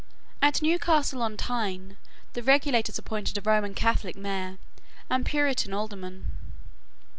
At Newcastle on Tyne the regulators appointed a Roman Catholic Mayor and Puritan Alderman.